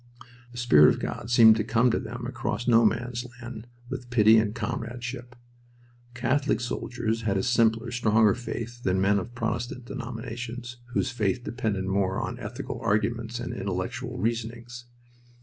The spirit of God seemed to come to them across No Man's Land with pity and comradeship. Catholic soldiers had a simpler, stronger faith than men of Protestant denominations, whose faith depended more on ethical arguments and intellectual reasonings.